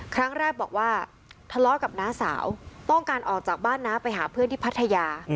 ครั้งแรกบอกว่าทะเลาะกับน้าสาวต้องการออกจากบ้านน้าไปหาเพื่อนที่พัทยา